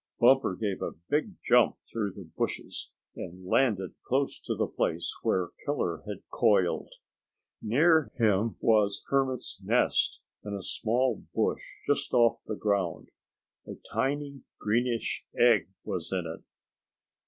Bumper gave a big jump through the bushes, and landed close to the place where Killer was coiled. Near him was Hermit's nest in a small bush just off the ground. A tiny greenish egg was in it.